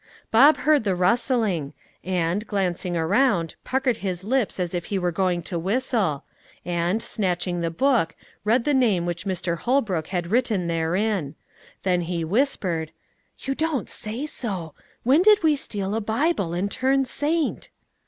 Bob heard the rustling, and, glancing around, puckered his lips as if he were going to whistle, and, snatching the book, read the name which Mr. Holbrook had written therein; then he whispered, "You don't say so! When did we steal a Bible, and turn saint?"